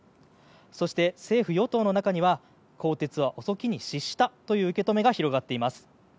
そして、政府・与党の中には更迭は遅きに失したという受け止めが広がっています。